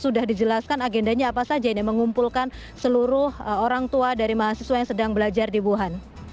sudah dijelaskan agendanya apa saja ini mengumpulkan seluruh orang tua dari mahasiswa yang sedang belajar di wuhan